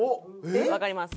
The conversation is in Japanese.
わかります。